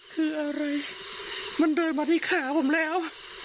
คืออะไรมันเดินมาที่ขาผมแล้ว